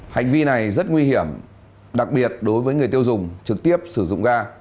hành vi này rất nguy hiểm đặc biệt đối với người tiêu dùng trực tiếp sử dụng ga